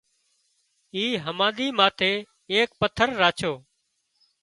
اِي هماۮي ماٿي ايڪ پٿر راڇو